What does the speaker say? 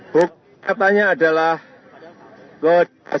bukti katanya adalah kejahatan kita berdemokrasi